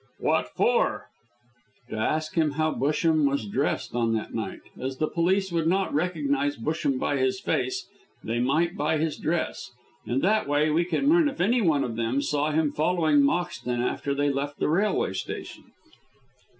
"What for?" "To ask him how Busham was dressed on that night. As the police would not recognise Busham by his face, they might by his dress. In that way we can learn if anyone of them saw him following Moxton after they left the railway station."